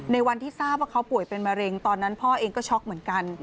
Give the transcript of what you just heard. วันที่ทราบว่าเขาป่วยเป็นมะเร็งตอนนั้นพ่อเองก็ช็อกเหมือนกัน